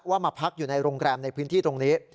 มาพักอยู่ในโรงแรมในพื้นที่ตรงนี้